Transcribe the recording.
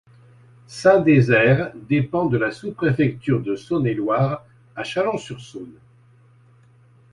Saint-Désert dépend de la sous-préfecture de Saône-et-Loire à Chalon-sur-Saône.